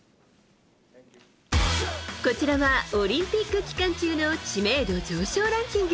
こちらはオリンピック期間中の知名度上昇ランキング。